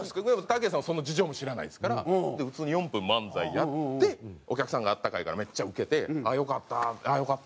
たけしさんはその事情も知らないですから普通に４分漫才やってお客さんがあったかいからめっちゃウケて「よかった！よかった！